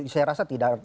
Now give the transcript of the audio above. saya rasa tidak